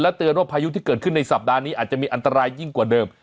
เตือนว่าพายุที่เกิดขึ้นในสัปดาห์นี้อาจจะมีอันตรายยิ่งกว่าเดิม